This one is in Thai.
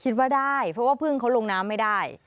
คิดว่าได้เพราะว่าพึ่งเขาลงน้ำไม่ได้